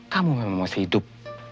kamu memang masih hidup